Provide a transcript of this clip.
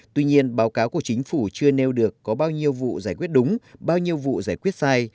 tuy nhiên báo cáo của chính phủ chưa nêu được có bao nhiêu vụ giải quyết đúng bao nhiêu vụ giải quyết sai